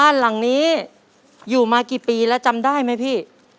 ตอนนี้อยู่มากี่ปีแล้วจำได้ไหมพี่